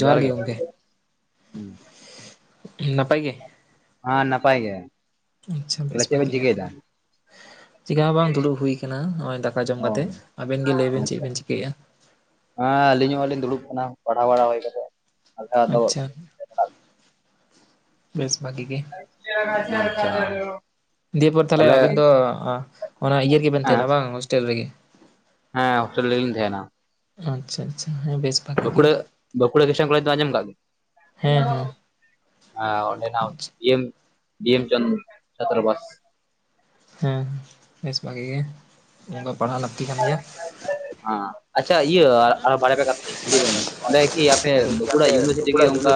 ᱡᱚᱦᱟᱨ ᱜᱮ ᱦᱩᱸ ᱱᱟᱯᱟᱭ ᱜᱮ ᱦᱮᱸ ᱱᱟᱯᱟᱭ ᱜᱮ ᱟᱪᱪᱷᱟ ᱵᱮᱥ ᱵᱷᱟᱹᱜᱤᱜᱮ ᱛᱟᱞᱦᱮ ᱪᱮᱠᱟ ᱵᱟᱝ ᱫᱩᱲᱩᱵ ᱦᱩᱭ ᱟᱠᱟᱱᱟ ᱱᱚᱜᱼᱚᱭ ᱫᱟᱠᱟ ᱡᱚᱢ ᱠᱟᱛᱮᱫ ᱟᱵᱮᱱ ᱜᱮ ᱞᱟᱹᱭᱵᱤᱱ ᱪᱮᱫ ᱵᱮᱱ ᱪᱤᱠᱟᱹᱭᱮᱫᱼᱟ ᱦᱮᱸ ᱟᱹᱞᱤᱧ ᱦᱚᱸᱞᱤᱧ ᱫᱩᱲᱩᱵ ᱠᱟᱱᱟ ᱯᱟᱲᱦᱟᱣ ᱵᱟᱲᱟ ᱦᱩᱭ ᱠᱟᱛᱮ ᱟᱪᱪᱷᱟ ᱵᱮᱥ ᱵᱷᱟᱜᱤ ᱜᱮ [unintelligible] ᱫᱤᱭᱮᱯᱚᱨ ᱛᱟᱦᱞᱮ ᱟᱵᱤᱱ ᱫᱚ ᱚᱱᱟ ᱤᱭᱟᱹ ᱨᱮᱜᱮᱵᱮᱱ ᱛᱟᱦᱮᱱᱟ ᱵᱟᱝ ᱦᱳᱥᱴᱮᱞ ᱨᱮᱜᱮ ᱦᱮᱸ ᱦᱳᱴᱮᱞ ᱨᱮᱜᱤᱧ ᱛᱟᱦᱮᱱᱟ ᱟᱪᱪᱷᱟ ᱟᱪᱪᱷᱟ ᱦᱮᱸ ᱵᱮᱥ ᱵᱟᱸᱠᱩᱲᱟ ᱵᱟᱸᱠᱩᱲᱟ ᱠᱤᱥᱴᱚᱱ ᱠᱚᱞᱮᱡᱽ ᱫᱚ ᱟᱸᱡᱚᱢ ᱟᱠᱟᱜ ᱜᱮᱭᱟ ᱚᱸᱰᱮ ᱱᱟᱸᱜ ᱰᱤᱮᱢ ᱪᱷᱟᱛᱨᱚ ᱵᱟᱥ ᱦᱮᱸ ᱵᱮᱥ ᱵᱷᱟᱜᱮ ᱜᱮ ᱚᱱᱠᱟ ᱯᱟᱲᱦᱟᱣ ᱞᱟᱹᱠᱛᱤ ᱠᱟᱱ ᱜᱮᱭᱟ ᱟᱪᱪᱷᱟ ᱤᱭᱟᱹ ᱟᱨ ᱵᱟᱲᱭᱟ ᱯᱮᱭᱟ ᱠᱟᱛᱷᱟᱞᱤᱧ ᱵᱩᱞᱤᱵᱮᱱ ᱜᱮ ᱚᱸᱰᱮ ᱠᱤ ᱟᱯᱮ ᱵᱟᱸᱠᱩᱲᱟ ᱤᱭᱩᱱᱤᱵᱷᱟᱨᱥᱤᱴᱤ ᱠᱤ ᱚᱱᱠᱟ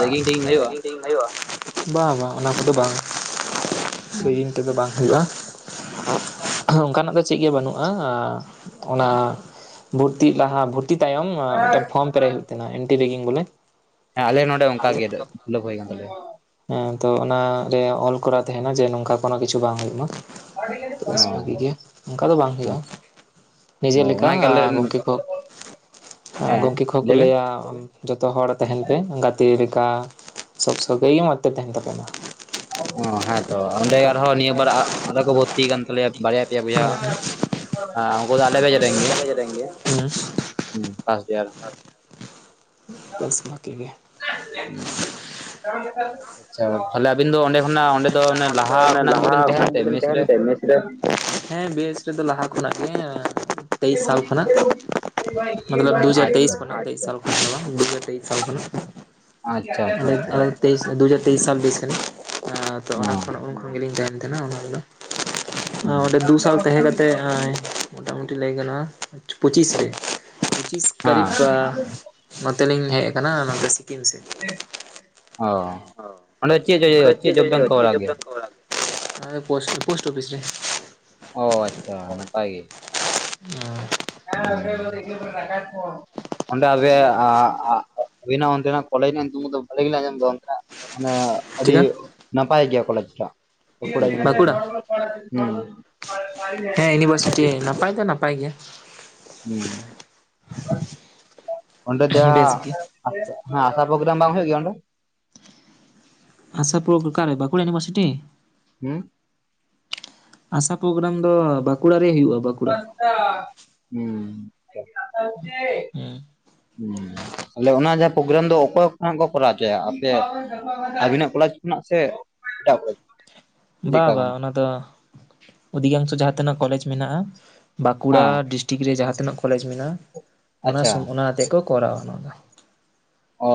ᱨᱮᱜᱤᱝ ᱴᱮᱜᱤᱝ ᱦᱩᱭᱩᱜᱼᱟ ᱵᱟᱝ ᱵᱟᱝ ᱚᱱᱟ ᱠᱚᱫᱚ ᱵᱟᱝ ᱨᱮᱜᱤᱝ ᱛᱮᱫ ᱫᱚ ᱵᱟᱝ ᱦᱩᱭᱩᱜᱼᱟ ᱚᱱᱠᱟᱱᱟᱜ ᱫᱚ ᱪᱮᱫ ᱜᱮ ᱵᱟᱹᱱᱩᱜᱼᱟ ᱚᱱᱟ ᱵᱷᱚᱨᱛᱤ ᱞᱟᱦᱟ ᱵᱷᱚᱨᱛᱤ ᱛᱟᱭᱚᱢ ᱢᱤᱫᱴᱟᱝ ᱯᱷᱚᱨᱚᱢ ᱯᱮᱨᱮᱡ ᱦᱩᱭᱩᱜ ᱛᱟᱦᱮᱱᱟ ᱮᱱᱴᱤ ᱨᱮᱜᱤᱝ ᱵᱚᱞᱮ ᱦᱮᱸ ᱟᱞᱮ ᱱᱚᱰᱮ ᱚᱱᱠᱟ ᱜᱮ ᱯᱷᱤᱞᱟᱯ ᱦᱩᱭ ᱠᱟᱱ ᱛᱟᱞᱮᱭᱟ ᱦᱮᱸ ᱛᱚ ᱚᱱᱟᱨᱮ ᱚᱞ ᱠᱚᱨᱟ ᱛᱟᱦᱮᱱᱟ ᱡᱮ ᱱᱚᱝᱠᱟ ᱠᱳᱱᱳ ᱠᱤᱪᱷᱩ ᱵᱟᱝ ᱦᱩᱭᱩᱜ ᱢᱟ ᱵᱮᱥ ᱵᱷᱟᱹᱜᱤ ᱜᱮ ᱚᱱᱠᱟ ᱫᱚ ᱵᱟᱝ ᱦᱩᱭᱩᱜᱼᱟ ᱱᱤᱡᱮᱨ ᱞᱮᱠᱟ ᱜᱚᱝᱠᱮ ᱠᱚ ᱜᱚᱝᱠᱮ ᱠᱚᱦᱚᱸ ᱠᱚ ᱞᱟᱹᱭᱟ ᱡᱚᱛᱚ ᱦᱚᱲ ᱛᱟᱦᱮᱱ ᱯᱮ ᱜᱟᱛᱮ ᱞᱮᱠᱟ ᱥᱚᱵ ᱥᱟᱹᱜᱟᱹᱭ ᱢᱚᱡᱽ ᱛᱮ ᱛᱟᱦᱮᱱ ᱛᱟᱯᱮ ᱢᱟ ᱚ ᱦᱮᱸᱛᱚ ᱚᱸᱰᱮ ᱜᱮ ᱟᱨᱦᱚᱸ ᱱᱤᱭᱟᱹ ᱵᱟᱨ ᱟᱨᱚ ᱠᱚ ᱵᱷᱚᱨᱛᱤ ᱠᱟᱱ ᱛᱟᱞᱮᱭᱟ ᱵᱟᱨᱭᱟ ᱯᱮᱭᱟ ᱵᱚᱭᱦᱟ ᱦᱮ ᱩᱱᱠᱩ ᱫᱚ ᱟᱞᱮ ᱵᱮᱪ ᱨᱮᱱᱜᱮ ᱦᱩᱸ ᱯᱷᱟᱥ ᱰᱤᱭᱟᱨ ᱟᱪᱪᱷᱟ ᱛᱟᱦᱚᱞᱮ ᱟᱵᱤᱱ ᱫᱚ ᱚᱸᱰᱮ ᱠᱷᱚᱱᱟᱜ ᱚᱸᱰᱮ ᱫᱚ ᱚᱱᱮ ᱞᱟᱦᱟ ᱠᱷᱚᱱᱟᱜ ᱜᱮᱵᱤᱱ ᱛᱟᱦᱮᱱ ᱛᱟᱦᱮᱜ ᱢᱮᱥ ᱨᱮ ᱦᱮᱸ ᱵᱮᱥ ᱨᱮᱫᱚ ᱞᱟᱦᱟ ᱠᱷᱚᱱᱟᱜ ᱜᱮ ᱛᱮᱭᱤᱥ ᱥᱟᱞ ᱠᱷᱚᱱᱟᱜ [unintelligible] ᱫᱩ ᱦᱟᱡᱟᱨ ᱛᱮᱭᱤᱥ ᱠᱷᱚᱱᱟᱜ ᱛᱮᱭᱤᱥ ᱥᱟᱞ ᱠᱷᱚᱱᱟᱜ ᱫᱩ ᱦᱟᱡᱟᱨ ᱛᱮᱭᱤᱥ ᱥᱟᱞ ᱠᱷᱚᱱᱟᱜ ᱟᱪᱪᱷᱟ ᱟᱪᱪᱷᱟ ᱟᱪᱷᱟ ᱛᱮᱭᱤᱥ ᱫᱩ ᱦᱟᱡᱟᱨ ᱛᱮᱭᱤᱥ ᱥᱟᱞ ᱵᱮᱪ ᱠᱟᱹᱱᱟᱹᱧ ᱛᱚ ᱚᱱᱟ ᱠᱷᱚᱱ ᱩᱱ ᱠᱷᱚᱱ ᱜᱮᱞᱤᱧ ᱛᱟᱦᱮᱱ ᱛᱟᱦᱮᱱᱟ ᱚᱱᱟ ᱨᱮᱫᱚ ᱚ ᱚᱸᱰᱮ ᱫᱩ ᱥᱟᱞ ᱛᱟᱦᱮᱸ ᱠᱟᱛᱮᱜ ᱟᱸᱭ ᱢᱳᱴᱟᱢᱩᱴᱤ ᱞᱟᱹᱭ ᱜᱟᱱᱚ ᱟ ᱯᱚᱸᱪᱤᱥ ᱨᱮ᱾ ᱯᱚᱸᱪᱤᱥ ᱠᱟᱨᱤᱵᱽ ᱟ ᱱᱚᱛᱮᱞᱤᱧ ᱦᱮᱡ ᱠᱟᱱᱟ ᱱᱚᱛᱮ ᱥᱤᱠᱤᱢ ᱥᱮᱫ᱾ ᱚ᱾ ᱚ ᱚᱸᱰᱮ ᱫᱚ ᱪᱮᱫ ᱤᱭᱟᱹᱭ ᱦᱳᱭᱳᱜ-ᱟ? ᱪᱮᱫ ᱡᱚᱵ ᱵᱮᱱ ᱠᱚᱨᱟᱣᱫᱟ? ᱮ ᱞᱳᱥᱴ ᱯᱳᱥᱴ ᱚᱯᱷᱤᱥ ᱨᱮ᱾ ᱚ ᱟᱪᱪᱷᱟ ᱱᱟᱯᱟᱭ ᱜᱮ᱾ [unintelligible] ᱚᱸᱰᱮ ᱟᱵᱮ ᱟ ᱟ-ᱟᱹᱵᱱᱟᱜ ᱚᱱᱛᱮᱱᱟᱜ ᱠᱚᱮᱡᱽ ᱨᱮᱱᱟᱜ ᱧᱩᱛᱩᱢ ᱠᱚᱫᱚ ᱵᱷᱟᱞᱮ ᱜᱮᱞᱮ ᱟᱸᱡᱚᱢ ᱫᱟ ᱚᱱᱠᱟ ᱢᱟᱱᱮ ᱟᱹᱰᱤ ᱱᱟᱯᱟᱭ ᱜᱮᱭᱟ ᱠᱚᱞᱮᱡᱽ ᱴᱟᱜ᱾ ᱵᱟᱸᱠᱩᱲᱟ ᱤᱭᱩᱱᱤᱵᱷᱟᱨᱥᱤᱴᱤ ᱦᱩᱸ᱾ ᱤᱭᱩᱱᱤᱵᱷᱟᱨᱥᱤᱴᱤ ᱱᱟᱯᱟᱭ ᱫᱚ ᱱᱟᱯ ᱯᱟᱭ ᱜᱮᱭᱟ᱾ ᱦᱩᱸ ᱚᱸᱰᱮ ᱫᱚ ᱦᱟᱸᱜ ᱦᱮᱸ ᱟᱥᱟ ᱯᱨᱳᱜᱨᱟᱢ ᱵᱟᱝ ᱦᱩᱭᱩᱜ ᱜᱮᱭᱟ ᱚᱸᱰᱮ? ᱟᱥᱟ ᱯᱨᱳᱜ ᱚᱠᱟᱨᱮ ᱵᱟᱸᱠᱩᱲᱟ ᱤᱭᱩᱱᱤᱵᱷᱟᱨᱥᱤᱴᱤ? ᱦᱮᱸ᱾ ᱟᱥᱟ ᱯᱨᱳᱜᱨᱟᱢ ᱫᱚ ᱵᱟᱸᱠᱩᱲᱟ ᱨᱮ ᱦᱩᱭᱩᱜᱼᱟ ᱵᱟᱠ [unintelligible] ᱛᱟᱦᱞᱮ ᱚᱱᱟ ᱡᱟᱦᱟᱸ ᱯᱨᱳᱜᱨᱟᱢ ᱫᱚ ᱚᱠᱚᱭ ᱠᱷᱚᱱᱟᱜ ᱠᱚ ᱠᱚᱨᱟᱣ ᱦᱚᱪᱚᱭᱟ ᱟᱯᱮ ᱟᱵᱤᱱᱟᱜ ᱠᱚᱞᱡᱽ ᱠᱷᱚᱱᱟᱜ ᱥᱮ ᱮᱴᱟᱜ ᱠᱚᱞᱮᱡᱽ᱾ ᱵᱟ ᱵᱟ ᱚᱱᱟ ᱫᱚ ᱚᱫᱷᱤᱠᱟᱝᱥᱚ ᱡᱟᱦᱟᱸ ᱛᱤᱱᱟᱹᱜ ᱠᱚᱞᱮᱡᱽ ᱢᱮᱱᱟᱜᱼᱟ ᱾ᱵᱟᱸᱠᱩᱲᱟ ᱰᱤᱥᱴ ᱴᱤᱠ ᱨᱮ ᱡᱟᱦᱟᱸ ᱛᱤᱱᱟᱹᱜ ᱠᱚᱞᱮᱡᱽ ᱢᱮᱱᱟᱜᱼᱟ᱾ ᱚᱱᱟ ᱥᱩᱢ ᱚᱱᱟᱣᱟᱛᱮᱜ ᱠᱚ ᱠᱚᱨᱟᱣᱟ ᱱᱚᱣᱟ ᱫᱚ᱾ ᱚ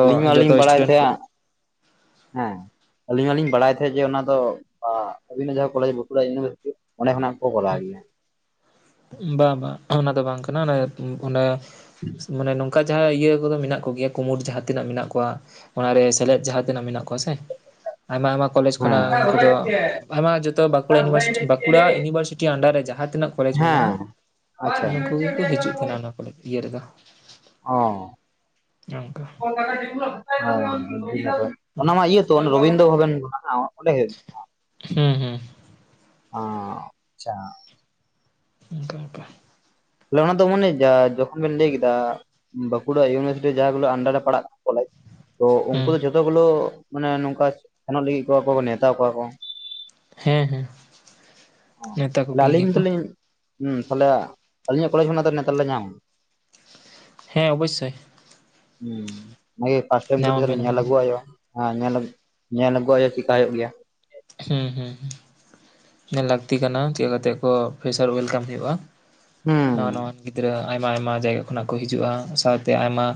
ᱟᱹᱞᱤᱧ ᱢᱟ ᱞᱤᱧ ᱵᱟᱲᱟᱭ ᱛᱟᱦᱮᱸ-ᱟ ᱦᱮᱸ ᱟᱞᱤᱧ ᱢᱟ ᱞᱤᱧ ᱵᱟᱲᱟᱭ ᱛᱟᱦᱮᱸᱫ ᱡᱮ ᱚᱱᱟ ᱫᱚ ᱟ ᱚᱵᱤᱱᱟᱜ ᱡᱟᱦᱟᱸ ᱠᱚᱞᱮᱡᱽ ᱵᱟᱸᱠᱩᱲᱟ ᱩᱱᱤᱵᱷᱟᱨᱥᱤᱴᱤ ᱚᱸᱰᱮ ᱠᱷᱚᱱᱟᱜ ᱜᱮᱠᱚ ᱠᱚᱨᱟᱣ ᱜᱮᱭᱟ᱾ ᱵᱟᱝ ᱵᱟᱝ ᱚᱱᱟ ᱫᱚ ᱵᱟᱝ ᱠᱟᱱᱟ ᱚᱱᱮ ᱚᱸᱰᱮ ᱢᱟᱱᱮ ᱱᱚᱝᱠᱟ ᱡᱟᱦᱟᱸᱭ ᱤᱭᱟᱹ ᱠᱚᱫᱚ ᱢᱮᱱᱟᱜ ᱠᱚᱜᱮᱭᱟ ᱠᱩᱢᱩᱴ ᱡᱟᱦᱟᱸ ᱛᱤᱱᱟᱹᱜ ᱢᱮᱱᱟᱜ ᱠᱚᱣᱟ ᱚᱱᱟᱨᱮ ᱥᱮᱞᱮᱫ ᱡᱟᱦᱟᱸ ᱛᱤᱱᱟᱹᱜ ᱢᱮᱱᱟᱜ ᱠᱚᱣᱟ ᱥᱮ ᱟᱭᱢᱟ ᱟᱭᱢᱟ ᱠᱚᱞᱮᱡᱽ ᱠᱷᱚᱱᱟᱜ ᱩᱱᱠᱩ ᱫᱚ ᱟᱭᱢᱟ ᱡᱚᱛᱚ Bankura university Bankura university under ᱨᱮ ᱡᱟᱦᱟᱸ ᱛᱤᱱᱟᱹᱜ ᱯᱟᱹ ᱢᱮᱱᱟᱜ-ᱟ ᱩᱱ ᱩᱱᱠᱩ ᱠᱚᱜᱮ ᱠᱚ ᱦᱤᱡᱩᱜ ᱛᱟᱦᱮᱱᱟ ᱚᱱᱟ ᱠᱚᱞᱮ ᱤᱭᱟᱹ ᱨᱮᱫᱚ᱾ ᱚ [inaudible] ᱚᱱᱟ ᱢᱟ ᱤᱭᱟᱹ ᱛᱚ ᱚᱸᱰᱮ ᱨᱚᱵᱤᱱᱫᱚ ᱵᱷᱚᱵᱚᱱ ᱢᱮᱱᱟᱜ-ᱟ ᱚᱰᱸᱮ ᱦᱳᱭᱳᱜ ᱦᱩᱸ ᱦᱩᱸ᱾ ᱚ ᱟᱪᱪᱷᱟ᱾ ᱚᱱᱠᱟ ᱵᱮᱯᱟᱨ᱾ ᱞᱮ ᱚᱱᱟ ᱫᱚ ᱢᱚᱱᱮ ᱡᱟ ᱡᱚᱠᱷᱚᱱ ᱵᱤᱱ ᱞᱟᱹᱭ ᱠᱮᱫᱟ ᱵᱟᱸᱠᱩᱲᱟ ᱤᱭᱩᱱᱤᱵᱷᱟᱨᱥᱤᱴᱤ ᱡᱟ ᱜᱩᱞᱟ. ᱟᱱᱰᱟᱨ ᱨᱮ ᱯᱟᱲᱟᱜ ᱠᱚᱞᱮᱡᱽ ᱛᱚ ᱩᱱᱠᱩ ᱫᱚ ᱡᱷᱚᱛᱚ ᱜᱩᱞᱳ ᱢᱟᱱᱮ ᱱᱚᱝᱠᱟ ᱥᱮᱱᱚᱜ ᱞᱟᱹᱜᱤᱫ ᱠᱚᱣᱟ ᱠᱚ ᱢᱟᱱᱮ ᱱᱮᱣᱛᱟ ᱟᱠᱚᱣᱟ ᱠᱚ᱾ ᱦᱮᱸ ᱦᱮᱸ᱾ ᱦᱚᱸ ᱛᱟᱞᱮ ᱟᱹᱞᱤᱧ ᱛᱚᱞᱤᱧ ᱦᱩᱸ ᱛᱦᱞᱮ ᱟᱹᱞᱤᱧᱟᱜ ᱠᱚᱞᱮᱡᱽ ᱠᱷᱚᱱᱟᱜ ᱫᱚ ᱱᱮᱛᱟᱨ ᱞᱮ ᱧᱟᱢᱟ᱾ ᱦᱮᱸ ᱚᱵᱳᱥᱥᱚᱭ᱾ ᱦᱩᱸ ᱚᱱᱟ ᱜᱮ ᱯᱷᱟᱥᱴ ᱴᱟᱭᱤᱢ ᱠᱟᱹᱴᱤᱡ ᱛᱟᱦᱞᱮ ᱧᱮᱞ ᱟᱜᱩᱣᱟᱜ ᱦᱚᱭᱩᱜ-ᱟ᱾ ᱟᱸ ᱧᱮᱞ ᱟᱜᱩ ᱧᱮᱞ ᱟᱜᱩᱣᱟᱜ ᱦᱳᱭᱳᱜ-ᱟ ᱪᱤᱜᱠᱟ ᱦᱩᱭᱩᱜ ᱜᱮᱭᱟ᱾ ᱦᱩᱸ ᱦᱩᱸᱦᱩᱸ ᱧᱮᱞ ᱞᱟᱹᱠᱛᱤ ᱠᱟᱱᱟ ᱪᱮᱜ ᱠᱟᱛᱮᱜ ᱠᱚ ᱯᱷᱮᱥᱟᱨ ᱚᱭᱮᱞᱠᱟᱢ ᱦᱩᱭᱩᱜ-ᱟ᱾ ᱱᱟᱣᱟ ᱱᱟᱣᱟᱱ ᱜᱤᱫᱽᱨᱟᱹ ᱟᱭᱢᱟ ᱟᱭᱢᱟ ᱡᱟᱭᱜᱟ ᱠᱷᱚᱱᱟᱜ ᱠᱚ ᱦᱤᱡᱩᱜ-ᱟ ᱥᱟᱶᱛᱮ ᱟᱭᱢᱟ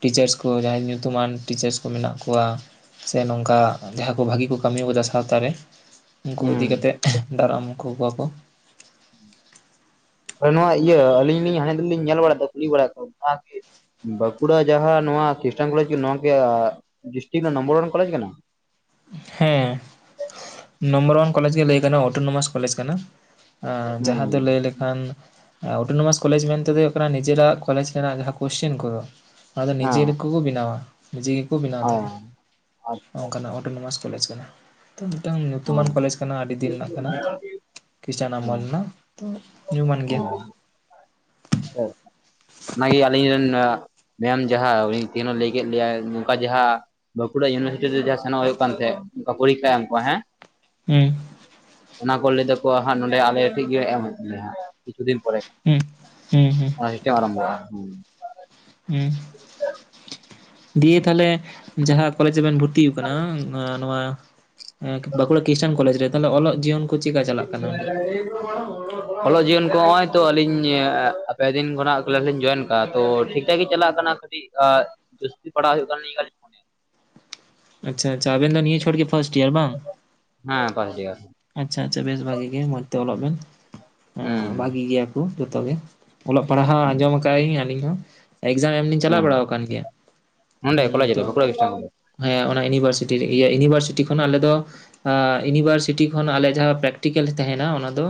ᱴᱤᱪᱟᱨᱥ ᱠᱚ ᱡᱟᱦᱟᱸᱭ ᱧᱩᱛᱩᱢᱟᱱ ᱴᱤᱪᱟᱨᱥ ᱠᱚ ᱢᱮᱱᱟᱜ ᱠᱚᱣᱟ ᱾ ᱥᱮ ᱱᱚᱝᱠᱟ ᱡᱟᱦᱟᱸ ᱠᱚ ᱵᱷᱟᱹᱜᱤ ᱠᱩ ᱠᱟᱹᱢᱤ [unintelligible] ᱥᱟᱶᱛᱟ ᱨᱮ [inaudible] ᱩᱱᱠᱩ ᱤᱫᱤ ᱠᱟᱛᱮᱫ ᱫᱟᱨᱟᱢ ᱟᱜᱩ ᱠᱚᱣᱟ ᱠᱚ ᱾ ᱟᱨ ᱱᱚᱣᱟ ᱤᱭᱟᱹ ᱟᱹᱞᱤᱧ ᱞᱤᱧ [unintelligible] ᱧᱮᱞ ᱵᱟᱲᱟ ᱠᱩᱞᱤ ᱵᱟᱲᱟ [inaudible] ᱵᱟᱸᱠᱩᱲᱟ ᱡᱟᱦᱟᱸ ᱱᱚᱣᱟ ᱠᱷᱨᱤᱥᱴᱟᱱ ᱠᱚᱞᱮᱡᱽ ᱠᱤ ᱱᱚᱣᱟ ᱠᱤ ᱟ ᱰᱤᱥᱴᱤᱠ ᱨᱮᱱᱟᱜ ᱱᱚᱢᱵᱚᱨ ᱳᱣᱟᱱ ᱠᱚᱞᱮᱡᱽ ᱠᱟᱱᱟ? ᱦᱮᱸ ᱱᱚᱢᱵᱚᱨ ᱚᱣᱟᱱ ᱠᱚᱞᱮᱡᱽ ᱜᱮ ᱞᱟᱹᱭ ᱜᱟᱱᱚᱜᱼᱟ ᱚᱴᱳᱱᱳᱢᱟᱥ ᱠᱚᱞᱮᱡᱽ ᱠᱟᱱᱟ ᱾ ᱟ ᱡᱟᱦᱟᱸ ᱫᱚ ᱞᱟᱹᱭ ᱞᱮ ᱠᱷᱟᱱ ᱚᱴᱳᱱᱢᱟᱥ ᱠᱚᱞᱮᱡᱽ ᱢᱮᱱᱛᱮᱜ ᱫᱚ ᱦᱩᱭᱩᱜ ᱠᱟᱱᱟ ᱱᱤᱡᱮᱨᱟᱜ ᱠᱚᱞᱮᱡᱽ ᱨᱮᱱᱟᱜ ᱡᱟᱦᱟᱸ ᱠᱳᱥᱪᱮᱱ ᱠᱚ ᱚᱱᱟ ᱫᱚ ᱱᱤᱡᱮᱨ [unintelligible] ᱵᱮᱱᱟᱣᱟ ᱱᱤᱡᱮ ᱜᱮᱠᱩ ᱵᱮᱱᱟᱣ ᱛᱟᱦᱮᱱᱟ ᱚᱱᱠᱟᱱᱟᱜ ᱚᱴᱳᱱᱚᱢᱟᱥ ᱠᱚᱞᱮᱡᱽ ᱠᱟᱱᱟ ᱾ ᱛᱚ ᱢᱤᱫᱴᱟᱝ ᱧᱩᱛᱩᱢᱟᱱ ᱠᱚᱞᱮᱡᱽ ᱠᱟᱱᱟ ᱟᱹᱰᱤ ᱫᱤᱱ ᱨᱮᱱᱟᱜ ᱠᱟᱱᱟ ᱠᱷᱨᱤᱥᱴᱟᱱ ᱟᱢᱚᱞ ᱨᱮᱱᱟᱜ ᱾ ᱛᱚ ᱧᱩᱢᱟᱱ ᱜᱮᱭᱟ ᱾ ᱚ [inaudible] ᱚᱱᱟ ᱜᱮ ᱟᱹᱞᱤᱧ ᱨᱮᱱ ᱟ ᱢᱮᱢ ᱡᱟᱦᱟᱸ [unintelligible] ᱮ ᱞᱟᱹᱭ ᱠᱮᱫ ᱞᱮᱭᱟᱭ ᱱᱚᱝᱠᱟ ᱡᱟᱦᱟᱸ ᱵᱟᱸᱠᱩᱲᱟ ᱤᱭᱩᱱᱤᱵᱷᱟᱨᱥᱤᱴᱤ ᱨᱮ ᱡᱟᱦᱟᱸ ᱥᱮᱱᱚᱜ ᱦᱩᱭᱩᱜ ᱠᱟᱱ ᱛᱮᱦᱮᱜ ᱯᱚᱨᱤᱠᱠᱷᱟ ᱮᱢ ᱠᱚ ᱦᱮᱸ ᱾ ᱦᱩᱸ ᱾ [inaudible] ᱚᱱᱟ ᱠᱚ ᱞᱟᱹᱭ ᱮᱫᱟ ᱠᱚ ᱦᱟᱸᱜ ᱱᱚᱰᱮ ᱟᱞᱮ ᱴᱷᱤᱜ ᱜᱮ ᱮᱢ ᱦᱳᱭᱳᱜ ᱛᱟᱞᱮᱭᱟ ᱦᱟᱸᱜ ᱠᱤᱪᱷᱩ ᱫᱤᱱ ᱯᱚᱨᱮ ᱾ ᱦᱩᱸ [inaudible] ᱦᱩᱸ ᱦᱩᱸ ᱾ [unintelligible] ᱟᱨᱟᱢᱵᱚᱜᱼᱟ ᱦᱩᱸ ᱾ ᱦᱩᱸ ᱾ ᱫᱤᱭᱮ ᱛᱟᱦᱞᱮ ᱡᱟᱦᱟᱸ ᱠᱚᱞᱮᱡᱽ ᱨᱮᱵᱮᱱ ᱵᱷᱚᱨᱛᱤ ᱟᱠᱟᱱᱟ ᱟᱨ ᱱᱚᱣᱟ ᱮᱸᱠ ᱵᱟᱸᱠᱩᱲᱟ ᱠᱷᱨᱤᱥᱴᱟᱱ ᱠᱚᱞᱮᱡᱽ ᱨᱮ ᱛᱟᱦᱚᱞᱮ ᱚᱞᱚᱜ ᱡᱤᱭᱚᱱ [inaudible] ᱚᱞᱚᱜ ᱡᱤᱭᱚᱱ ᱠᱚ ᱦᱚᱜ-ᱚᱭ ᱛᱚ ᱟᱹᱞᱤᱧ ᱮᱸ ᱟ ᱯᱮ ᱫᱤᱱ ᱠᱷᱚᱱᱟᱜ ᱠᱮᱞᱟᱥ ᱞᱤᱧ ᱡᱚᱭᱮᱱ ᱠᱟᱜᱼᱟ ᱛᱚ ᱴᱷᱤᱠ ᱴᱷᱟᱠ ᱜᱮ ᱪᱟᱞᱟᱜ ᱠᱟᱱᱟ ᱠᱟᱹᱴᱤᱡ ᱟᱨ ᱡᱟᱹᱥᱛᱤ ᱯᱟᱲᱦᱟᱜ ᱦᱩᱭᱩᱜ [unintelligible] ᱟᱪᱪᱷᱟ ᱟᱪᱪᱷᱟ ᱟᱵᱮᱱ ᱫᱚ ᱱᱤᱭᱟᱹ ᱪᱷᱚᱴ ᱜᱮ ᱯᱷᱟᱥᱴ ᱤᱭᱟᱨ ᱵᱟᱝ? ᱦᱮᱸ ᱯᱷᱟᱥᱴ ᱤᱭᱟᱨ ᱾ ᱟᱪᱪᱷᱟ ᱟᱪᱪᱷᱟ ᱵᱮᱥ ᱵᱷᱟᱜᱤ ᱜᱮ ᱢᱚᱸᱡᱽ ᱛᱮ ᱚᱞᱚᱜ ᱵᱮᱱ, ᱵᱷᱟᱹᱜᱤ ᱜᱮᱭᱟ ᱠᱩ ᱡᱚᱛᱚ ᱜᱮ ᱾ ᱚᱞᱚᱜ ᱯᱟᱲᱦᱟᱣ ᱟᱸᱡᱚᱢ [unintelligible] ᱟᱹᱞᱤᱧ ᱦᱚᱸ ᱾ ᱮᱠᱡᱟᱢ ᱮᱢᱞᱤᱧ ᱪᱟᱞᱟᱣ ᱵᱟᱲᱟᱣ ᱟᱠᱟᱱ ᱜᱮᱭᱟ ᱾ [inaudible] ᱦᱩᱸ ᱛᱚ ᱾ [inaudible] ᱦᱮᱸ ᱚᱱᱟ ᱤᱭᱩᱱᱤᱵᱷᱟᱨᱥᱤᱴᱤ ᱤᱭᱟ. ᱤᱭᱩᱱᱤᱵᱷᱟᱨᱥᱤᱴᱤ ᱠᱷᱚᱱ ᱟᱞᱮ ᱫᱚ ᱟ ᱤᱭᱩᱱᱤᱵᱷᱟᱨᱥᱤᱴᱤ ᱠᱷᱚᱱ ᱟᱞᱮ ᱡᱟᱦᱟᱸ ᱯᱨᱮᱠᱴᱤᱠᱮᱞ ᱛᱟᱦᱮᱱᱟ ᱚᱱᱟ ᱫᱚ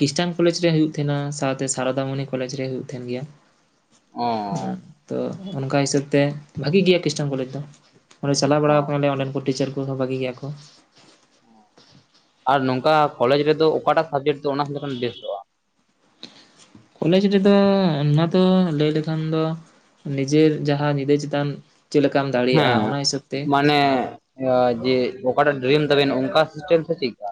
ᱠᱷᱨᱤᱥᱴᱟᱱ ᱠᱚᱞᱮᱡᱽ ᱨᱮ ᱦᱩᱭᱩᱜ ᱛᱟᱦᱮᱱᱟ ᱥᱟᱶᱛᱮ ᱥᱟᱨᱚᱫᱟᱢᱚᱱᱤ ᱠᱚᱞᱮᱡᱽ ᱨᱮ ᱦᱩᱭᱩᱜ ᱛᱟᱦᱮᱱ ᱜᱮᱭᱟ ᱾ ᱚᱸᱻ ᱦᱩᱸ ᱛᱚ ᱚᱱᱠᱟ ᱦᱤᱥᱟᱹᱵ ᱛᱮ ᱵᱷᱟᱹᱜᱤ ᱜᱮᱭᱟ ᱠᱷᱛᱤᱥᱴᱟᱱ ᱠᱚᱞᱮᱡᱽ ᱫᱚ ᱾ ᱚᱸᱰᱮ ᱪᱟᱞᱟᱣ ᱵᱟᱲᱟᱣ ᱟᱠᱟᱱᱟ ᱞᱮ ᱚᱸᱰᱮᱱ ᱠᱚ ᱴᱤᱪᱟᱨ ᱠᱚᱦᱚᱸ ᱵᱷᱟᱹᱜᱤ ᱜᱮᱭᱟ ᱠᱚ ᱾ ᱟᱨ ᱱᱚᱝᱠᱟ ᱠᱚᱞᱮᱡᱽ ᱨᱮᱫᱚ ᱚᱠᱟᱴᱟᱜ ᱥᱟᱵᱽᱡᱮᱴ ᱫᱚ ᱚᱱᱟᱨᱥ ᱞᱮᱠᱷᱟᱱ ᱵᱮᱥᱚᱜᱼᱟ? ᱠᱚᱞᱮᱡᱽ ᱨᱮᱫᱚ ᱚᱱᱟ ᱫᱚ ᱞᱟᱹᱭ ᱞᱮᱠᱷᱟᱱ ᱫᱚ ᱱᱤᱡᱮᱨ ᱡᱟᱦᱟᱸ ᱧᱤᱫᱟᱹ ᱪᱮᱛᱟᱱ ᱪᱮᱫ ᱞᱮᱠᱟᱢ ᱫᱟᱲᱮᱭᱟᱜᱼᱟ ᱚᱱᱟ ᱦᱤᱥᱟᱹᱵ ᱛᱮ ᱱᱮᱸᱜ ᱡᱮ ᱚᱠᱟᱴᱟᱜ ᱰᱨᱤᱢ ᱛᱟᱵᱮᱱ ᱚᱱᱠᱟ ᱥᱤᱥᱴᱮᱢ ᱥᱮ ᱪᱮᱫᱠᱟ?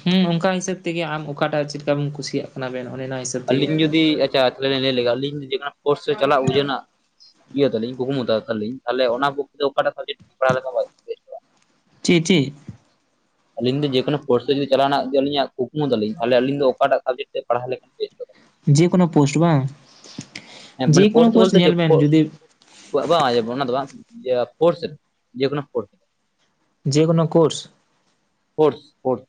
ᱦᱩᱸ ᱚᱱᱠᱟ ᱦᱤᱥᱟᱹᱵ ᱛᱮᱜᱮ ᱟᱢ ᱚᱠᱟᱴᱟᱜ ᱪᱮᱫ ᱞᱮᱠᱟ ᱟᱢ ᱠᱩᱥᱤᱭᱟᱜ ᱠᱟᱱᱟ ᱵᱮᱱ ᱚᱱᱮ ᱚᱱᱟ ᱦᱤᱥᱟᱹᱵ ᱛᱮᱜᱮ ᱾ [unintelligible] ᱟᱹᱞᱤᱧ ᱞᱤᱧ ᱞᱟᱹᱭ ᱞᱮᱜᱮ ᱟᱹᱞᱤᱧ ᱡᱮᱱᱟ ᱠᱳᱨᱥ ᱨᱮ ᱪᱟᱞᱟᱜ [unintelligible] ᱤᱭᱟᱹ ᱛᱟᱹᱞᱤᱧ ᱠᱩᱠᱢᱩ ᱛᱟᱹᱞᱤᱧ ᱛᱟᱦᱚᱞᱮ ᱚᱱᱟ [unintelligible] ᱚᱠᱟᱴᱟᱜ ᱥᱟᱵᱡᱮᱠ ᱯᱟᱲᱟᱣ ᱞᱮᱠᱟ [unintelligible] ᱪᱤᱜ ᱪᱤᱜ [unintelligible] ᱟᱹᱞᱤᱧ ᱫᱚ ᱡᱮᱠᱚᱱᱚ ᱯᱨᱚᱥᱮᱡ ᱪᱞᱟᱣᱱᱟᱜ ᱜᱮᱞᱤᱟᱜ ᱠᱩᱠᱩᱟᱞᱤᱧ ᱛᱟᱦᱚᱞ ᱟᱹᱞᱤᱧ ᱚᱴᱟᱜ ᱥᱟᱡᱮᱠᱴ ᱯᱟᱲᱟᱣ ᱞᱮᱠᱷᱟᱱᱮᱥᱴᱼᱟ ᱡᱮᱚᱠᱱᱳ ᱯᱳᱥᱴ ᱵᱟᱝ ᱡᱮᱠᱚᱱᱳ ᱯᱳᱥᱴ ᱧᱮᱞ ᱵᱮᱱ ᱡᱩᱫᱤ ᱵᱟᱝ ᱚᱱᱟ ᱫᱚ ᱵᱟᱝ ᱯᱷᱳᱨᱥ ᱡᱮᱠᱳ ᱯᱷᱳᱨᱥ ᱨᱮ [unintelligible] ᱡᱮᱠᱳᱱᱳ ᱠᱳᱨᱥ ᱥᱳᱨᱥ ᱥᱳᱨᱥ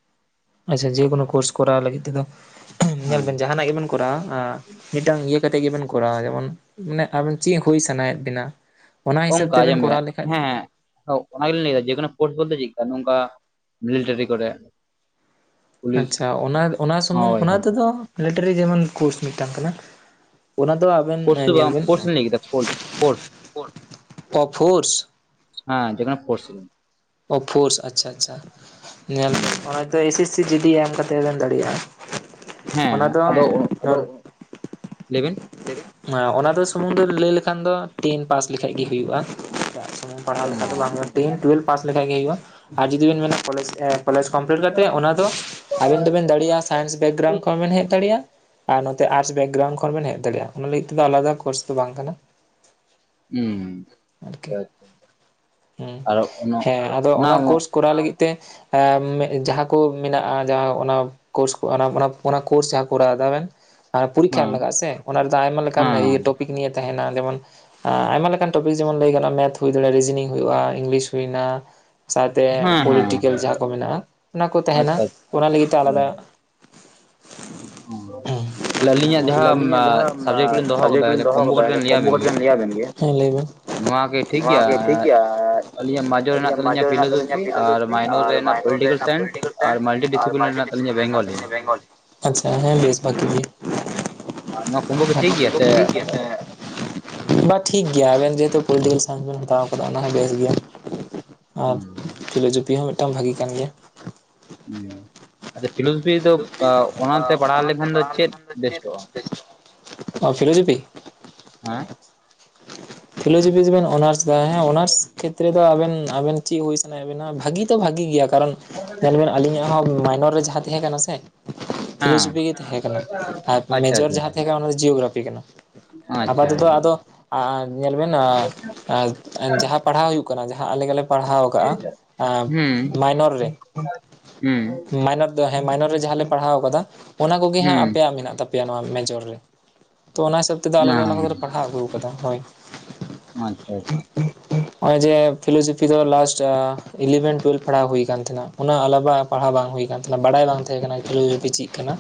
ᱟᱪᱪᱷᱟ ᱡᱮᱠᱳᱱᱳ ᱠᱳᱨᱥ ᱠᱚᱨᱟᱣ ᱞᱟᱹᱜᱤᱫ ᱛᱮᱫᱚ ᱧᱮᱞ ᱵᱮᱱ ᱡᱟᱦᱟᱱᱟᱜ ᱜᱮᱵᱮᱱ ᱠᱚᱨᱟᱣᱟ ᱟᱸ ᱢᱤᱫᱴᱟᱝ ᱤᱭᱟᱹ ᱠᱟᱛᱮᱮᱫ ᱜᱮᱵᱮᱱ ᱠᱚᱨᱟᱣᱟ ᱡᱮᱢᱚᱱ ᱢᱟᱱᱮ ᱟᱵᱮᱱ ᱪᱮᱫ ᱦᱩᱭ ᱥᱟᱱᱟᱭᱮᱫ ᱵᱮᱱᱟ ᱚᱱᱠᱟ ᱟ ᱟᱡᱚᱢ ᱵᱮᱱ ᱦᱮᱸ ᱚᱱᱟ ᱜᱮᱞᱤᱧ ᱞᱟᱹᱭᱫᱟ ᱡᱮᱠᱚᱱᱳ ᱯᱳᱨᱥᱴ ᱵᱚᱞᱛᱮ ᱪᱮᱫ ᱱᱚᱝᱠᱟ ᱢᱤᱞᱤᱴᱟᱨᱤ ᱠᱚᱨᱮ [inaudible] ᱟᱪᱪᱷᱟ ᱚᱱᱟ ᱚᱱᱟ ᱥᱩᱢᱩᱝ ᱚᱱᱟ ᱛᱮᱫᱚ ᱢᱮᱞᱮᱴᱟᱨᱤ ᱡᱮᱢᱚᱱ ᱠᱳᱨᱥ ᱢᱤᱫᱴᱟᱝ ᱠᱟᱱᱟ ᱚᱱᱟ ᱫᱚ ᱠᱨᱥ ᱫᱚ ᱵᱟᱝ ᱯᱳᱥᱴᱤᱝ ᱞᱟᱭᱠᱮᱫᱟ ᱱᱠᱤ ᱯᱳᱥᱴ ᱯᱳᱥᱴ ᱦᱮᱸ ᱡᱠᱷᱚᱱ ᱯᱚᱲᱥᱮᱱ [unintelligible] ᱳ ᱯᱷᱳᱨᱥ ᱟᱪᱪᱷᱟ ᱟᱪᱪᱷᱟ ᱧᱮᱞᱵᱮᱱ ᱚᱛᱮ ᱮᱥ ᱥᱤ ᱡᱤᱯᱤ ᱮᱢ ᱠᱟᱛᱮᱜ ᱵᱮᱱ ᱫᱟᱲᱮᱭᱟᱜᱼᱟ ᱚᱱᱟ ᱫᱚ ᱞᱮᱭᱵᱤᱱ ᱚᱱᱟ ᱫᱚ ᱥᱩᱢᱩᱝ ᱫᱚ ᱞᱟᱹᱭ ᱞᱮᱠᱷᱟᱱ ᱫᱚ ᱴᱮᱱ ᱯᱟᱥ ᱞᱮᱠᱷᱟᱡ ᱜᱮ ᱦᱩᱭᱩᱜᱼᱟ ᱯᱟᱲᱦᱟᱣ ᱞᱮᱠᱷᱟ ᱫᱚ ᱵᱟᱝ ᱦᱩᱭᱩᱜᱼᱟ ᱴᱮᱱ ᱴᱩᱭᱮᱞᱵᱷ ᱯᱟᱥ ᱞᱮᱠᱷᱟᱡ ᱜᱮ ᱦᱩᱭᱩᱜᱼᱟ ᱟᱨ ᱡᱩᱫᱤ ᱵᱮᱱ ᱢᱮᱱᱟ ᱠᱚᱞᱮᱡ ᱠᱚᱞᱮᱡᱽ ᱠᱚᱢᱯᱞᱤᱴ ᱠᱟᱛᱮᱜ ᱚᱱᱟ ᱫᱚ ᱟᱵᱮᱱ ᱫᱚᱵᱮᱱ ᱫᱟᱲᱮᱭᱟᱜᱼᱟ ᱥᱮ ᱥᱟᱭᱮᱱᱥ ᱵᱮᱠᱜᱨᱟᱣᱩᱱ ᱠᱷᱚᱱ ᱵᱮᱱ ᱦᱮᱡ ᱫᱟᱲᱮᱭᱟᱜᱼᱟ ᱟᱨ ᱱᱚᱛᱮ ᱟᱨᱥ ᱵᱮᱠᱜᱨᱟᱣᱩᱱ ᱠᱷᱚᱱ ᱵᱮᱱ ᱦᱮᱡ ᱫᱟᱲᱮᱭᱟᱜᱼᱟ ᱚᱱᱟ ᱞᱟᱹᱜᱤᱫ ᱛᱮᱫᱚ ᱟᱞᱟᱫᱟ ᱠᱳᱨᱥ ᱫᱚ ᱵᱟᱝ ᱠᱟᱱᱟ ᱦᱩᱸ ᱦᱮᱸ ᱟᱫᱚ ᱚᱱᱟ ᱠᱳᱨᱥ ᱠᱚᱨᱟᱣ ᱞᱟᱹᱜᱤᱫ ᱛᱮ ᱡᱟᱦᱟᱸ ᱠᱚ ᱢᱮᱱᱟᱜᱼᱟ ᱡᱟᱦᱟᱸ ᱚᱱᱟ ᱠᱳᱨᱥ ᱚᱱᱟ ᱚᱱᱟ ᱠᱳᱨᱥ ᱡᱟᱦᱟᱸ ᱠᱚᱨᱟᱣ. ᱫᱟᱵᱮᱱ ᱟᱨ ᱯᱩᱨᱤᱠᱠᱷᱟ ᱮᱢ ᱞᱟᱜᱟᱜᱼᱟ ᱥᱮ ᱚᱱᱟ ᱨᱮᱫᱚ ᱟᱭᱢᱟ ᱞᱮᱠᱟᱱ ᱴᱚᱯᱤᱠ ᱱᱤᱭᱮ ᱛᱟᱦᱮᱱᱟ ᱡᱮᱢᱚᱱ ᱟᱭᱢᱟ ᱞᱮᱠᱟᱱ ᱴᱚᱯᱤᱠ ᱡᱮᱢᱚᱱ ᱞᱟᱹᱭ ᱜᱟᱱᱚᱜᱼᱟ ᱢᱮᱛᱷ ᱦᱩᱭ ᱫᱟᱲᱮᱭᱟᱜᱼᱟ ᱨᱤᱡᱤᱱᱤ ᱦᱩᱭᱩᱜᱼᱟ ᱤᱝᱞᱤᱥ ᱦᱩᱭᱱᱟ ᱥᱟᱭᱛᱮ ᱯᱚᱞᱤᱴᱤᱠᱮᱞ ᱡᱟᱦᱟᱸ ᱠᱚ ᱢᱮᱱᱟᱜᱼᱟ ᱚᱱᱟ ᱠᱚ ᱛᱟᱦᱮᱱᱟ ᱚᱱᱟ ᱞᱟᱹᱜᱤᱫ ᱛᱮ ᱟᱞᱟᱫᱟ [inaudible] ᱛᱟᱦᱚᱞᱮ ᱟᱹᱞᱤᱧᱟᱜ ᱡᱟᱦᱟᱸ ᱥᱟᱵᱡᱮᱠᱴ ᱠᱚᱞᱤᱧ ᱫᱚᱦᱚ ᱠᱟᱫᱟ ᱠᱚᱢᱵᱳ ᱠᱟᱛᱮᱜ ᱞᱤ ᱞᱟᱹᱭᱟᱵᱮᱱ ᱜᱮᱸ ᱞᱟᱹᱭᱵ ᱱᱚᱣᱟ ᱜᱮ ᱴᱷᱤᱠᱜᱮᱭᱟ ᱟᱹᱞᱤᱧᱟᱜ ᱢᱟᱡᱚ ᱢᱮᱱᱟᱜ ᱛᱟᱹᱟᱞᱤᱧᱟ ᱵᱤᱞᱳ ᱡᱷᱩᱯᱤ ᱟᱨ ᱢᱟᱭᱦᱳ ᱨᱮᱱ [unintelligible] ᱯᱚᱞᱤᱴᱤᱠᱮᱞ ᱥᱟᱸᱥᱥ ᱟᱨ [unintelligible] ᱱᱚᱣᱟ ᱠᱩᱢᱵᱳ ᱦ ᱴᱷᱤᱠ ᱜᱮᱥᱮ [inaudible] ᱵᱟ ᱴᱷᱤᱠ ᱜᱮᱭᱟ ᱟᱵᱮᱱ ᱡᱮᱦᱮᱛᱩ ᱯᱚᱞᱤᱴᱤᱠᱮᱞ ᱥᱟᱭᱮᱱᱥ ᱵᱮᱱ ᱦᱟᱛᱟᱣ ᱠᱟᱫᱟ ᱚᱱᱟ ᱦᱚᱸ ᱵᱮᱥ ᱜᱮᱭᱟ ᱟᱨ ᱯᱷᱤᱞᱳᱹ ᱡᱩᱯᱤ ᱦᱚᱸ ᱢᱤᱫᱴᱟᱝ ᱵᱷᱟᱹᱜᱤ ᱠᱟᱱ ᱜᱮᱭᱟ ᱩᱸᱸ ᱟᱫᱚ ᱯᱷᱤᱞᱳᱥᱚᱯᱷᱤ ᱫᱚ ᱚᱱᱟᱛᱮ ᱯᱟᱲᱦᱟᱣ ᱞᱮᱠᱷᱟᱱ ᱫᱚ ᱪᱮᱫ ᱵᱮᱥᱴᱚᱜᱼᱟ ᱚ ᱯᱷᱤᱞᱳᱡᱚᱯᱤ [inaudible] ᱯᱷᱤᱞᱳᱡᱚᱵᱤ ᱛᱮᱵᱮᱱ ᱚᱱᱟᱨᱥ ᱫᱟ ᱦᱮᱸ ᱚᱱᱟᱨᱥ ᱠᱷᱮᱛᱨᱮ ᱫᱚ ᱟᱵᱮᱱ ᱟᱵᱮᱱ ᱪᱤᱜ ᱦᱩᱭ ᱥᱟᱱᱟᱭᱮ ᱭᱮᱜ ᱵᱮᱱᱟ ᱵᱷᱟᱜᱤ ᱛᱚ ᱵᱷᱟᱜᱤ ᱜᱮᱭᱟ ᱠᱟᱨᱚᱱ ᱧᱮᱞ ᱵᱮᱱ ᱟᱹᱞᱤᱧᱟᱜ ᱦᱚᱸ ᱢᱟᱭᱱᱚᱨ ᱨᱮ ᱡᱟᱦᱟᱸ ᱛᱟᱦᱮᱸ ᱠᱟᱱᱟ ᱥᱮ ᱯᱷᱤᱞᱳᱡᱚᱯᱷᱤ ᱜᱮ ᱛᱟᱦᱮᱸᱠᱟᱱᱟ ᱟᱨ ᱢᱮᱡᱚᱨ ᱡᱟᱦᱟᱸ ᱚᱱᱟ ᱡᱤᱭᱳᱜᱨᱟᱯᱷᱤ ᱠᱟᱱᱟ ᱟᱯᱟᱛᱚᱛᱚ ᱟᱫᱚ ᱟᱨᱼᱼ ᱧᱮᱞ ᱵᱮᱱ ᱟ ᱡᱟᱦᱟᱸ ᱯᱟᱲᱦᱟᱣ ᱦᱩᱭᱩᱜ ᱠᱟᱱᱟ ᱡᱟᱦᱟᱸ ᱟᱞᱮ ᱜᱮᱞᱮ ᱯᱟᱲᱦᱟᱣ ᱠᱟᱜᱼᱟ ᱟᱸ ᱢᱟᱭᱱᱚᱨ ᱨᱮ ᱢᱟᱭᱱᱚᱨᱼᱼ ᱦᱮᱸ ᱢᱟᱭᱱᱚᱨ ᱨᱮ ᱡᱟᱦᱟᱸ ᱞᱮ ᱯᱟᱲᱦᱟᱣ ᱟᱠᱟᱫᱟ ᱚᱱᱟ ᱠᱚᱜᱮ ᱦᱟᱸᱜ ᱟᱯᱮᱭᱟᱜ ᱢᱮᱱᱟᱜ ᱛᱟᱯᱮᱭᱟ ᱱᱚᱣᱟ ᱢᱮᱡᱚᱨ ᱛᱚ ᱚᱱᱟ ᱦᱤᱥᱟᱹᱵ ᱛᱮᱫᱚ ᱟᱞᱮ ᱫᱚ ᱚᱱᱟ ᱠᱚᱫᱚᱞᱮ ᱯᱟᱲᱦᱟᱣ ᱟᱹᱜᱩᱣ ᱟᱠᱟᱫᱟ ᱦᱳᱭᱼᱼ [unintelligible] ᱦᱚᱜᱼᱚᱭ ᱡᱮ ᱯᱷᱤᱞᱳᱡᱚᱯᱷᱤ ᱫᱚ ᱞᱟᱥᱴ ᱤᱞᱤᱵᱷᱮᱱ ᱴᱩᱭᱮᱞᱵᱷ ᱯᱟᱲᱦᱟᱣ ᱦᱩᱭ ᱠᱟᱱ ᱛᱟᱦᱮᱱᱟ ᱚᱱᱟ ᱟᱞᱟᱵᱟ ᱯᱟᱲᱦᱟᱣ ᱵᱟᱝ ᱦᱩᱭ ᱠᱟᱱ ᱛᱟᱦᱮᱱᱟ ᱵᱟᱲᱟᱭ ᱵᱟᱝ ᱛᱟᱦᱮᱸ ᱠᱟᱱᱟ ᱡᱮ ᱪᱤᱜ ᱠᱟᱱᱟ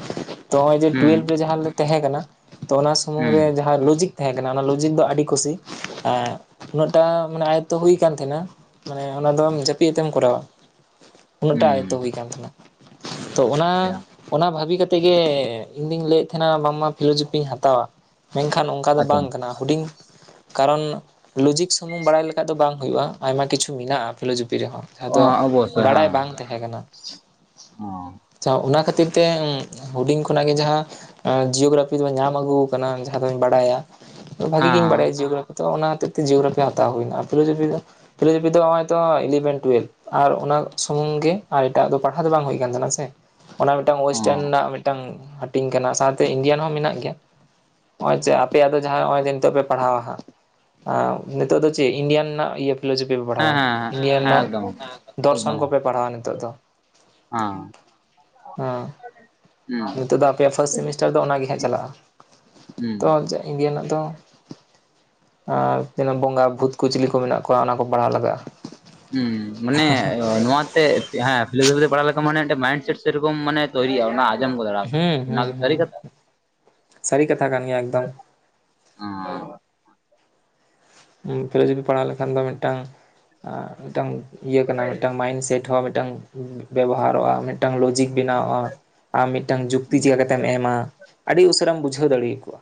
ᱛᱚ ᱱᱚᱼᱚᱭ ᱡᱮ ᱴᱩᱭᱮᱞᱵᱷ ᱨᱮ ᱡᱟᱦᱟᱸ ᱞᱮ ᱛᱟᱦᱮᱸ ᱠᱟᱱᱟ ᱛᱚ ᱚᱱᱟ ᱥᱩᱢᱩᱝ ᱨᱮ ᱡᱟᱦᱟᱸ ᱞᱩᱡᱤᱠ ᱛᱟᱦᱮᱸ ᱠᱟᱱᱟ ᱚᱱᱟ ᱞᱩᱡᱤᱠ ᱫᱚ ᱟᱹᱰᱤ ᱠᱩᱥᱤ ᱮᱸ ᱩᱱᱟᱹᱜᱴᱟ ᱢᱟᱱᱮ ᱟᱭᱚᱛᱛᱚ ᱦᱩᱭ ᱠᱟᱱ ᱛᱟᱦᱮᱸᱱᱟ ᱢᱟᱱᱮ ᱚᱱᱟ ᱫᱚᱢ ᱡᱟᱹᱯᱤᱫ ᱟᱛᱮᱢ ᱠᱚᱨᱟᱣᱟ ᱩᱱᱟᱹᱜᱴᱟᱜ ᱟᱭᱛᱛᱚ ᱦᱩᱭ ᱟᱠᱟᱱ ᱛᱟᱦᱮᱱᱟ ᱛᱚ ᱚᱱᱟᱼᱼ ᱚᱱᱟ ᱵᱷᱟᱵᱤ ᱠᱟᱛᱮᱫ ᱜᱮ ᱤᱧ ᱫᱩᱧ ᱞᱟᱹᱭᱮᱫ ᱛᱟᱦᱮᱱᱟ ᱵᱟᱝᱢᱟ ᱯᱷᱤᱞᱳᱡᱤᱯᱤᱧ ᱦᱟᱛᱟᱣᱟ ᱢᱮᱱ ᱠᱷᱟᱱᱼᱼ ᱚᱱᱠᱟ ᱫᱚ ᱵᱟᱝ ᱠᱟᱱᱟ ᱦᱩᱰᱤᱧᱼᱼ ᱠᱟᱨᱚᱱ ᱞᱩᱡᱤᱠ ᱥᱩᱢᱩᱝ ᱵᱟᱲᱟᱭ ᱞᱮᱠᱷᱟᱡ ᱫᱚ ᱵᱟᱝ ᱦᱩᱭᱩᱜᱼᱟ ᱟᱭᱢᱟ ᱠᱤᱪᱷᱩ ᱢᱮᱱᱟᱜᱼᱟ ᱯᱷᱤᱞᱳᱡᱚᱯᱤ ᱨᱮᱦᱚᱸᱼᱼ ᱡᱟᱦᱟᱸ ᱫᱚ ᱵᱟᱲᱟᱭ ᱵᱟᱝ ᱛᱟᱦᱮᱸ ᱠᱟᱱᱟ [unintelligible] ᱟᱪᱪᱷᱟ ᱚᱱᱟ ᱠᱷᱟᱹᱛᱤᱨ ᱛᱮ ᱦᱩᱰᱤᱧ ᱠᱷᱚᱱᱟᱜ ᱜᱮ ᱡᱟᱦᱟᱸ ᱡᱤᱭᱳᱜᱨᱟᱯᱷᱤᱼᱼ ᱧᱟᱢ ᱟᱹᱜᱩ ᱟᱠᱟᱱᱟ ᱡᱟᱦᱟᱸ ᱫᱚᱧ ᱵᱟᱲᱟᱭᱟ ᱵᱷᱟᱜᱤ ᱜᱤᱧ ᱵᱟᱲᱟᱭᱟ ᱡᱤᱭᱳᱜᱨᱟᱯᱷᱤ ᱛᱚ ᱚᱱᱟ ᱦᱚᱛᱮᱡ ᱛᱮ ᱡᱤᱭᱳᱜᱨᱟᱯᱷᱤ ᱦᱟᱛᱟᱣ ᱦᱩᱭᱱᱟ ᱯᱷᱤᱞᱳᱡᱚᱤᱯᱤ ᱫᱚ ᱯᱷᱤᱞᱳᱡᱚᱯᱤ ᱫᱚ ᱱᱚᱼᱚᱭ ᱛᱚ ᱤᱞᱵᱷᱮᱱ ᱴᱩᱭᱮᱞᱵᱷ ᱟᱨ ᱚᱱᱟ ᱥᱩᱢᱩᱝ ᱜᱮ ᱟᱨ ᱮᱴᱟᱜ ᱫᱚ ᱯᱟᱲᱦᱟᱣ ᱫᱚ ᱵᱟᱝ ᱦᱩᱭ ᱠᱟᱱ ᱛᱟᱦᱮᱱᱟ ᱥᱮᱼᱼ ᱚᱱᱟ ᱢᱤᱫᱴᱟᱱ ᱳᱭᱮᱥᱴᱟᱨᱱ ᱨᱮᱱᱟᱜ ᱢᱤᱫᱴᱟᱱ ᱦᱟᱹᱴᱤᱧ ᱠᱟᱱᱟ ᱥᱟᱶ ᱛᱮ ᱤᱱᱰᱤᱭᱟᱱ ᱦᱚᱸ ᱢᱮᱱᱟᱜ ᱜᱮᱭᱟ ᱱᱚᱜᱼᱚᱭ ᱡᱮ ᱟᱯᱮᱭᱟᱜ ᱫᱚ ᱡᱟᱦᱟᱸ ᱱᱚᱜᱼᱚᱭ ᱡᱮ ᱱᱤᱛᱚᱜ ᱯᱮᱼ ᱯᱟᱲᱦᱟᱣᱟ ᱦᱟᱜ ᱱᱤᱛᱚᱜ ᱫᱚ ᱪᱮᱫ ᱤᱱᱰᱤᱭᱟᱱ ᱨᱮᱱᱟᱜ ᱤᱭᱟᱹᱼᱼ ᱯᱷᱤᱞᱳᱡᱚᱯᱤ ᱯᱮ ᱯᱟᱲᱦᱟᱣᱟ ᱤᱱᱰᱤᱭᱟ ᱨᱮᱱᱟᱜ ᱫᱚᱨᱥᱚᱱ ᱠᱚᱯᱮ ᱯᱟᱲᱦᱟᱣᱟ ᱱᱤᱛᱚᱜ ᱫᱚ ᱦᱮᱸ ᱱᱤᱛᱳᱜ ᱫᱚ ᱟᱯᱮᱭᱟᱜ ᱯᱷᱟᱥᱴ ᱥᱮᱢᱤᱥᱴᱟᱨ ᱫᱚ ᱚᱱᱟ ᱜᱮ ᱪᱟᱞᱟᱜᱼᱟ ᱛᱚ [unintelligible] ᱨᱮᱱᱟᱜ ᱫᱚ ᱟᱨ ᱛᱤᱱᱟ. ᱜ ᱵᱚᱸᱜᱟ ᱵᱷᱩᱛ ᱠᱩ ᱪᱤᱞᱤ ᱠᱚ ᱢᱮᱱᱟᱜ ᱠᱚᱣᱟ ᱚᱱᱟ ᱠᱚ ᱯᱟᱲᱦᱟᱣ ᱞᱟᱜᱟᱜᱼᱟ ᱦᱮᱸ ᱢᱟᱱᱮ ᱱᱚᱣᱟ ᱛᱮᱼ ᱦᱮᱸ ᱯᱷᱤᱞᱳᱡᱚᱯᱤ ᱛᱮ ᱯᱟᱲᱟᱣ ᱞᱮᱠᱷᱟᱱ ᱢᱟᱱᱮ ᱢᱤᱫᱴᱟᱝ ᱢᱟᱭᱤᱱᱰ-ᱥᱮᱴ ᱥᱮᱨᱚᱠᱚᱢ ᱢᱟᱱᱮ ᱛᱚᱭᱨᱤᱜᱼᱟ ᱚᱱᱟ ᱟᱨ ᱼᱼ [unintelligible] ᱚᱱᱟ‌ ᱠᱤ‌ ᱥᱟᱹᱨᱤ‌ ᱠᱟᱛᱷᱟ? ᱚᱸᱻ ᱤᱱᱠᱟ. ᱡᱩᱫᱤ ᱯᱟᱲᱦᱟᱣ ᱞᱮᱠᱷᱟᱱ ᱫᱚ ᱢᱤᱫᱴᱟᱝ ᱟᱸ ᱢᱤᱫᱴᱟᱝᱼᱼ ᱤᱭᱟᱹ ᱠᱟᱱᱟ ᱢᱤᱫᱴᱟᱝ ᱢᱟᱭᱤᱱᱰ-ᱥᱮᱴ ᱦᱚᱸ ᱢᱤᱫᱴᱟᱝ ᱵᱮᱵᱚᱦᱟᱨᱚᱜᱼᱟ ᱢᱤᱫᱴᱟᱝ ᱞᱚᱡᱤᱠ ᱵᱮᱱᱟᱣᱚᱜᱼᱟ ᱟᱢ ᱢᱤᱫᱴᱟᱝ ᱡᱩᱠᱛᱤ ᱪᱤᱠᱟᱹ ᱠᱟᱛᱮᱢ ᱮᱢᱟ ᱟᱹᱰᱤ ᱩᱥᱟᱹᱨᱟᱢ ᱵᱩᱡᱷᱟᱹᱣ ᱫᱟᱲᱮ ᱟᱠᱚᱣᱟ᱾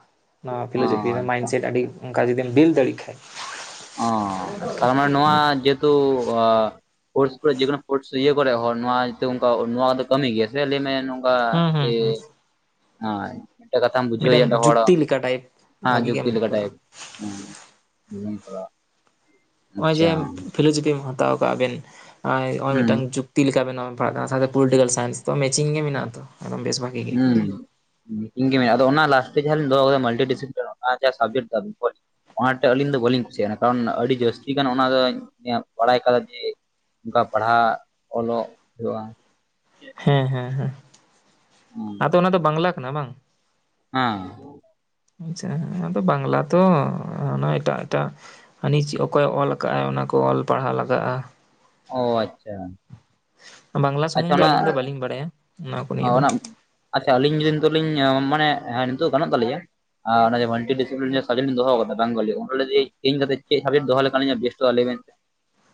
ᱱᱚᱣᱟ ᱯᱷᱤᱞᱳᱚᱡᱤᱯᱤ ᱨᱮ ᱢᱟᱭᱤᱱᱰ-ᱥᱮᱴ ᱟᱹᱰᱤ ᱚᱱᱠᱟ ᱡᱩᱫᱤᱢ ᱵᱤᱞ ᱫᱟᱲᱮᱭᱟᱜ ᱠᱷᱟᱡ ᱚᱸ ᱛᱟᱨᱢᱟᱱᱮ ᱱᱚᱣᱟ ᱡᱮᱦᱮᱛᱩᱼᱟ ᱯᱷᱳᱨᱥ ᱠᱚᱨᱮ ᱡᱮᱠᱳᱱᱳ ᱯᱷᱳᱨᱥ ᱤᱭᱟᱹ ᱠᱚᱨᱮ ᱦᱚᱸ ᱱᱚᱣᱟ ᱡᱮᱛᱩ ᱚᱱᱠᱟ ᱱᱚᱣᱟ ᱫᱚ ᱠᱟᱹᱢᱤ ᱜᱮᱭᱟ ᱥᱮ ᱞᱟᱹᱭ ᱢᱮ ᱱᱚᱝ, ᱚᱱᱠᱟ ᱡᱮ ᱱᱟᱭ, ᱢᱤᱫᱴᱟᱝ ᱠᱟᱛᱷᱟᱢ ᱵᱩᱡᱷᱟᱹᱣ ᱮᱭᱟ ᱛᱚ ᱦᱚᱲ ᱦᱮᱸ ᱡᱩᱠᱛᱤ ᱞᱮᱠᱟ ᱴᱟᱭᱤᱯ, ᱦᱩᱸ ᱡᱮᱵᱤᱱ ᱯᱟᱲᱟᱜ, ᱱᱚᱜ-ᱚᱭ ᱡᱮ ᱯᱷᱤᱞᱳᱡᱚᱯᱤᱢ ᱦᱟᱛᱟᱣ ᱟᱠᱟᱫ ᱵᱮᱱ ᱟᱨ ᱱᱚᱜ-ᱚᱭ ᱢᱤᱫᱴᱟᱝ ᱡᱩᱠᱼᱼ ᱛᱤ ᱞᱮᱠᱟ ᱵᱮᱱᱟᱣ ᱯᱟᱲᱦᱟᱜ ᱠᱟᱱᱟ ᱥᱟᱶᱛᱮ ᱯᱚᱞᱤᱴᱤᱠᱮᱞ ᱥᱟᱭᱮᱱᱥ ᱫᱚ ᱢᱮᱪᱤᱝ ᱜᱮ ᱢᱮᱱᱟᱜ ᱟᱛᱚ, ᱟᱫᱚᱢ ᱵᱮᱥ ᱵᱟᱝ, ᱦᱩᱸᱻ ᱤᱧ ᱜᱮ ᱢᱮᱱ ᱟᱫᱚ ᱚᱱᱟ ᱞᱟᱥᱴ [unintelligible] ᱫᱚᱦᱚ ᱟᱠᱟᱫᱟ ᱢᱟᱞᱴᱤ ᱰᱤᱥᱤᱯᱞᱤᱱ ᱚᱱᱟ ᱡᱟᱦᱟᱸ ᱥᱟᱵᱡᱮᱠᱴ ᱫᱚ [unintelligible] ᱚᱱᱟᱴ ᱟᱹᱞᱤᱧ ᱫᱚ ᱵᱟᱹᱞᱤᱧ ᱠᱩᱥᱤᱭᱟᱜᱼᱟ ᱠᱟᱨᱚᱱ ᱟᱹᱰᱤ ᱡᱟᱹᱥᱛᱤ ᱜᱟᱱ ᱚᱱᱟ ᱫᱚᱧ ᱵᱟᱲᱟᱭ ᱠᱟᱫᱟ ᱡᱮ ᱚᱱᱠᱟ ᱯᱟᱲᱦᱟᱜ ᱚᱞᱚᱜ ᱦᱩᱭᱩᱜᱼᱟ᱾ ᱦᱮᱸ ᱦᱮᱸ ᱦᱮᱸ᱾ ᱟᱫᱚ ᱚᱱᱟ ᱫᱚ ᱵᱟᱝᱞᱟ ᱠᱟᱱᱟ ᱵᱟᱝ? ᱦᱮᱸ᱾ ᱟᱪᱪᱷᱟ ᱦᱮᱸ ᱟᱫᱚ ᱵᱟᱝᱞᱟ ᱛᱚ ᱚᱱᱟ ᱮᱴᱟᱜ ᱮᱴᱟᱜ ᱦᱟᱹᱱᱤ ᱪᱤᱜ ᱚᱠᱚᱭ ᱚᱞ ᱟᱠᱟᱜᱼᱟᱭ ᱚᱱᱟ ᱠᱚ ᱚᱞ ᱯᱟᱲᱦᱟᱣ ᱞᱟᱜᱟᱜᱼᱟ᱾ ᱚ ᱟᱪᱪᱷᱟ᱾ ᱵᱟᱝᱞᱟ ᱥᱩᱢᱩᱝ ᱫᱚ ᱟᱹᱞᱤᱧ ᱫᱚ ᱵᱟᱹᱞᱤᱧ ᱵᱟᱲᱟᱭᱟ ᱚᱱᱟ ᱠᱚ ᱱᱤᱭᱮ ᱫᱚ᱾ ᱟᱪᱪᱷᱟ ᱟᱹᱞᱤᱧ ᱡᱩᱫᱤ ᱱᱤᱛᱚᱜ ᱞᱤᱧ ᱢᱟᱱᱮ ᱦᱮᱸ ᱱᱤᱛᱚᱜ ᱜᱟᱱᱚᱜ ᱛᱟᱹᱞᱤᱧᱟ? ᱟ ᱚᱱᱟ ᱡᱮ ᱢᱟᱞᱴᱤ ᱰᱤᱥᱤᱯᱞᱤᱱ ᱡᱟᱦᱟᱸ ᱥᱟᱵᱡᱮᱠᱴ ᱚᱱᱟ ᱡᱮᱢᱚᱱ [unintelligible] ᱵᱤᱱ ᱫᱚᱦᱚ ᱠᱟᱫᱟ ᱵᱟᱝᱜᱚᱞᱤ ᱚᱱᱟᱞᱮ ᱡᱩᱫᱤ ᱪᱮᱧᱡ ᱠᱟᱛᱮᱫ ᱪᱮᱜ ᱥᱟᱵᱡᱮᱴ ᱫᱚᱦᱚ ᱞᱮᱠᱷᱟᱱ ᱤᱧᱟᱹᱜ ᱵᱮᱥᱴᱚᱜᱼᱟ? ᱞᱮᱵᱮᱱ